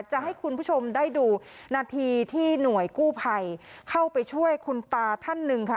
จะให้คุณผู้ชมได้ดูนาทีที่หน่วยกู้ภัยเข้าไปช่วยคุณตาท่านหนึ่งค่ะ